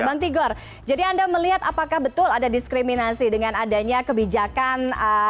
bang tigor jadi anda melihat apakah betul ada diskriminasi dengan adanya kebijakan